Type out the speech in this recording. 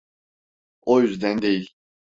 O yüzden değil.